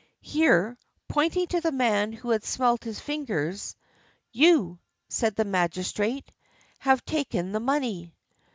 Here, pointing to the man who had smelt his fingers, "You," said the magistrate, "have taken the money."